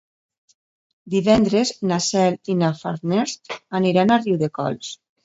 Divendres na Cel i na Farners aniran a Riudecols.